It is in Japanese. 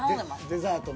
デザート。